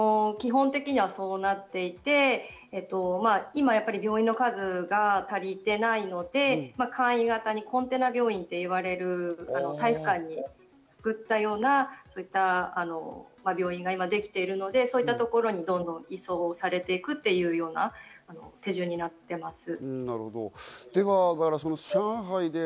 基本的にはそうなっていて、今病院の数が足りていないので簡易型のコンテナ病院と言われる体育館に作ったような、そういった病院が今できているので、そういったところにどんどんと移送されていくというような手順になっています。